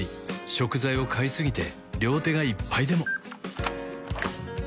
食材を買いすぎて両手がいっぱいでも